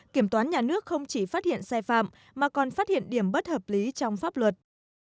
kiểm toán nhà nước không chỉ phát hiện sai phạm mà còn phát hiện điểm bất hợp lý trong pháp luật